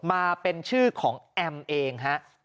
มาเป็นชื่อของแอมเองฮะ